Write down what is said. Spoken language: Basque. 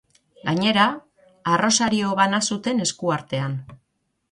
Gainera, arrosario bana zuten eskuartean.